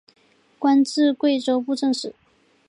官至贵州布政使。